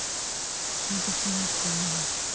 ちゃんと姉妹か。